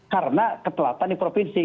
karena ketelatan di provinsi